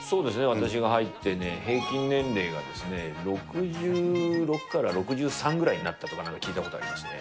私が入ってね、平均年齢がですね、６６から６３ぐらいになったとかなんか聞いたことありますね。